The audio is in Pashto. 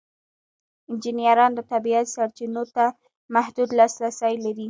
انجینران د طبیعت سرچینو ته محدود لاسرسی لري.